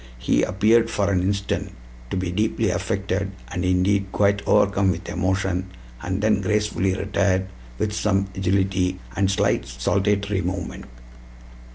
He appeared for an instant to be deeply affected, and, indeed, quite overcome with emotion, and then gracefully retired, with some agility and a slight saltatory movement."